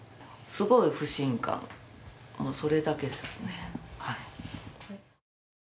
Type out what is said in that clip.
すごい不信感、それだけですね。